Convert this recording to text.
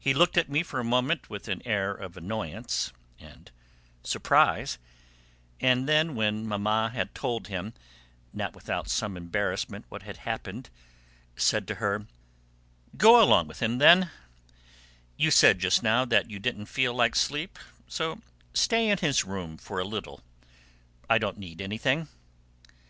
He looked at me for a moment with an air of annoyance and surprise, and then when Mamma had told him, not without some embarrassment, what had happened, said to her: "Go along with him, then; you said just now that you didn't feel like sleep, so stay in his room for a little. I don't need anything."